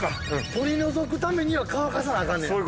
取り除くためには乾かさなあかんねや。